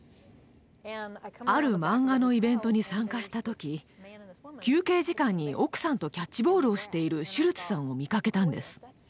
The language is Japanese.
あるマンガのイベントに参加した時休憩時間に奥さんとキャッチボールをしているシュルツさんを見かけたんです。